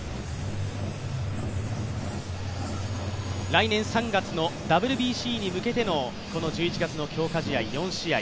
来年３月のＷＢＣに向けてのこの１１月の強化試合、４試合